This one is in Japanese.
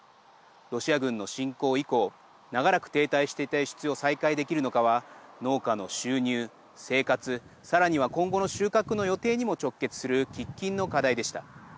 ロシア軍の侵攻以降長らく停滞していた輸出を再開できるのかは農家の収入、生活さらには今後の収穫の予定にも直結する喫緊の課題でした。